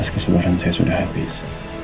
kalau batas kesubaran saya sudah habis